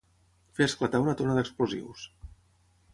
Fer esclatar una tona d'explosius.